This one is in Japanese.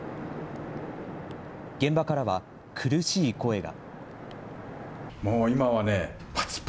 現場からは、苦しい声が。